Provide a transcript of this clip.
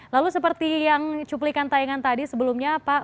lalu seperti yang cuplikan tayangan tadi sebelumnya pak